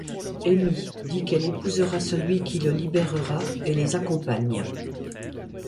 Emmy dit qu'elle épousera celui qui le libérera et les accompagne.